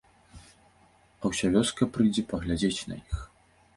А ўся вёска прыйдзе паглядзець на іх.